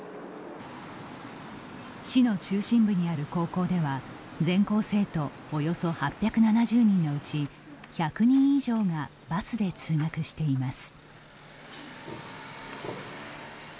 市の中心部にある高校では全校生徒およそ８７０人のうち１００人以上がバスで通学しています。